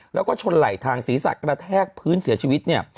แล้วก็ชนไหลทางศีรษะกระแทกพื้นเสียชีวิตเนี่ย